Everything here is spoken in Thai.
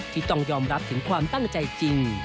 ที่ต้องยอมรับถึงความตั้งใจจริง